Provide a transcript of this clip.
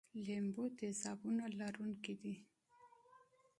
لیمو د تیزابونو لرونکی دی.